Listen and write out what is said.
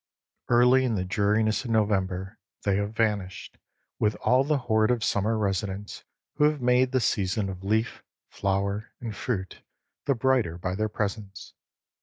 Early in the dreariness of November, they have vanished with all the horde of summer residents who have made the season of leaf, flower, and fruit the brighter by their presence.